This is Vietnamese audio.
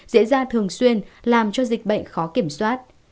diễn ra thường xuyên làm cho dịch bệnh khó kiểm soát